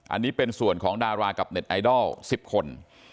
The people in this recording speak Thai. อันนี้เป็นส่วนของดารากับเน็ตไอดอล๑๐คน